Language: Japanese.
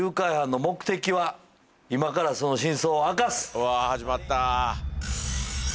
うわ始まった。